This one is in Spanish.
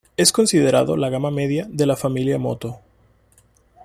Es considerado la gama media de la familia Moto.